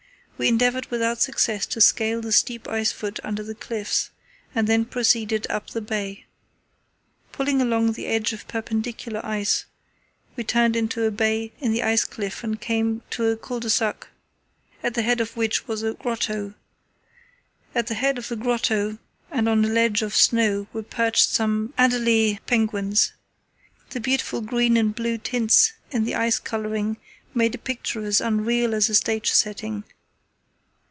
We endeavoured without success to scale the steep ice foot under the cliffs, and then proceeded up the bay. Pulling along the edge of perpendicular ice, we turned into a bay in the ice cliff and came to a cul de sac, at the head of which was a grotto. At the head of the grotto and on a ledge of snow were perched some adelie penguins. The beautiful green and blue tints in the ice colouring made a picture as unreal as a stage setting.